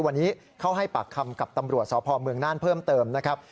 วันนี้เข้าให้ปากคำกับตำรวจสพเมืองน่านเพิ่มเติมนะครับ